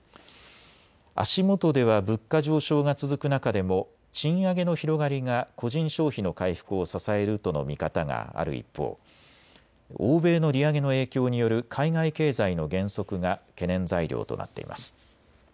足元では物価上昇が続く中でも賃上げの広がりが個人消費の回復を支えるとの見方がある一方、欧米の利上げの影響による海外経済の減速が懸念材料となっています。